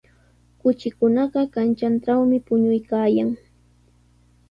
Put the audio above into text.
Kuchikunaqa kanchantrawmi puñuykaayan.